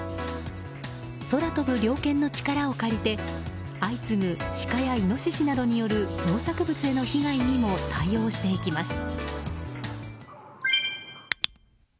空飛ぶ猟犬の力を借りて相次ぐシカやイノシシなどによる農作物への被害にも対応していきます。